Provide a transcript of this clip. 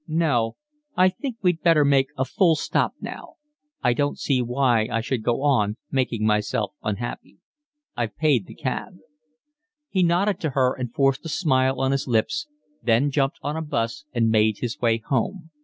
"No, I think we'd better make a full stop now. I don't see why I should go on making myself unhappy. I've paid the cab." He nodded to her and forced a smile on his lips, then jumped on a 'bus and made his way home.